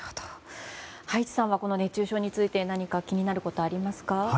葉一さんはこの熱中症について何か気になることはありますか？